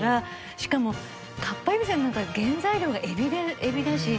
しかもかっぱえびせんなんか原材料がエビだし。